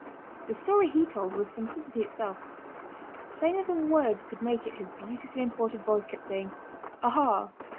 The story he told was simplicity itself. Plainer than words could make it his beautifully imported voice kept saying "Aha!